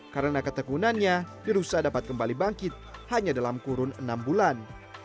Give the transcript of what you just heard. karena ketegunannya di rusa dapat kembali bangkit hanya dalam kurun enam bulan